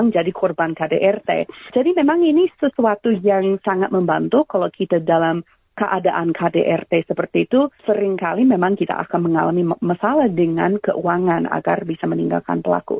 jadi ini merupakan satu krisis nasional kan ibu